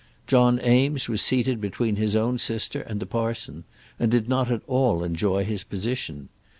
John Eames was seated between his own sister and the parson, and did not at all enjoy his position.